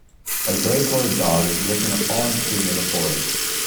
A gray colored dog is licking a fallen tree in the forest